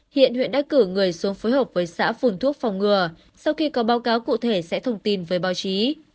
hiện huyện đã cử người xuống phối hợp với xã phun thuốc phòng ngừa sau khi có báo cáo cụ thể sẽ thông tin với báo chí